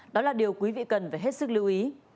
đó là điều quý vị cần phải hết sức lưu ý